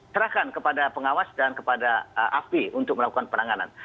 serahkan kepada pengawas dan kepada afi untuk melakukan penanganan